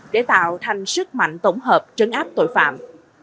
để tạo thành sức mạnh tổng hợp trấn áp tội phạm